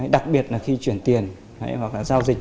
đặc biệt là khi chuyển tiền hoặc giao dịch